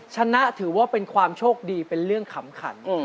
ชนะถือว่าเป็นความโชคดีเป็นเรื่องขำขัน